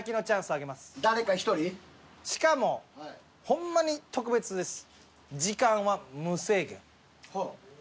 しかもほんまに特別です。